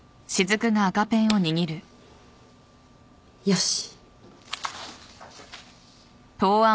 よし。